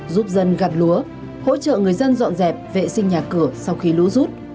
giúp dân gạt lúa hỗ trợ người dân dọn dẹp vệ sinh nhà cửa sau khi lũ rút